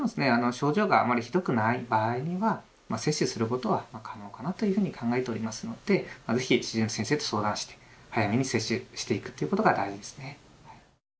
症状があまりひどくない場合には接種することは可能かなというふうに考えておりますので是非主治医の先生と相談して早めに接種していくということが大事ですね。